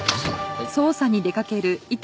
はい。